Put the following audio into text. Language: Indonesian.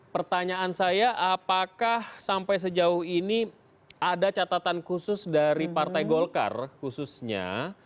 pertanyaan saya apakah sampai sejauh ini ada catatan khusus dari partai golkar khususnya